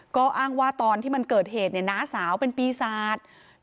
ก็อ้างว่าตอนที่มันเกิดเหตุเนี่ยน้าสาวเป็นปีศาจ